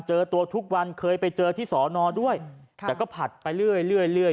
เจอตัวทุกวันเคยไปเจอที่สอนอด้วยแต่ก็ผัดไปเรื่อยเรื่อย